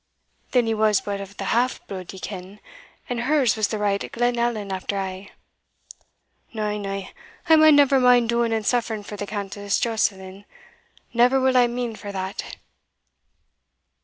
Then he was but of the half blude, ye ken, and her's was the right Glenallan after a'. Na, na, I maun never maen doing and suffering for the Countess Joscelin never will I maen for that."